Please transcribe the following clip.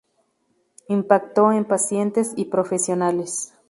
Impacto en pacientes y profesionales".